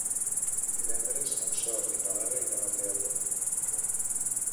Divendres en Sol i na Lara iran al teatre.